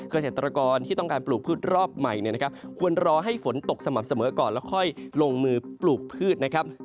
เกษตรกรที่ต้องการปลูกพืชรอบใหม่เนี่ยนะครับควรรอให้ฝนตกสม่ำเสมอก่อนแล้วค่อยลงมือปลูกพืชนะครับ